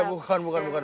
eh bukan bukan bukan